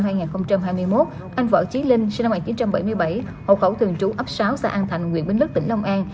năm hai nghìn hai mươi một anh võ trí linh sinh năm một nghìn chín trăm bảy mươi bảy hộ khẩu thường trú ấp sáu xã an thành nguyễn bến lức tỉnh long an